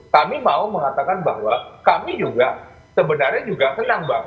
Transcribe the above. kami mau mengatakan bahwa kami juga sebenarnya juga senang bang